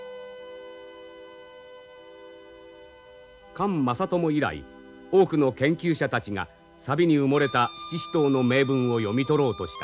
菅政友以来多くの研究者たちが錆に埋もれた七支刀の銘文を読み取ろうとした。